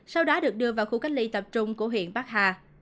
sau đó được đưa vào khu cách ly tập trung của huyện bắc hà